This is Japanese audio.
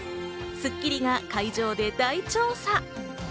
『スッキリ』が会場で大調査。